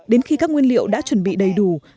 đến khi các nguyên liệu đã chuẩn bị đầy đủ